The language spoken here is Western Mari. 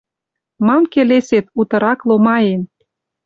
Мам келесет, утырак ломаен